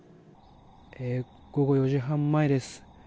午後４時半前です。